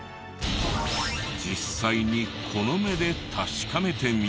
実際にこの目で確かめてみよう。